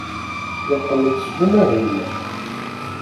Yeqqel-d seg umahil.